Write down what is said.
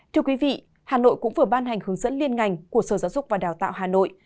thưa quý vị hà nội cũng vừa ban hành hướng dẫn liên ngành của sở giáo dục và đào tạo hà nội